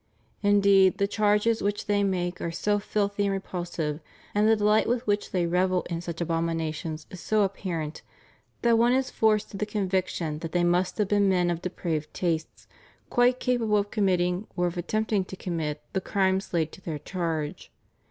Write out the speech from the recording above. Indeed the charges which they make are so filthy and repulsive, and the delight with which they revel in such abominations is so apparent, that one is forced to the conviction that they must have been men of depraved tastes quite capable of committing or of attempting to commit the crimes laid to their charge.